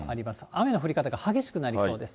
雨の降り方が激しくなりそうです。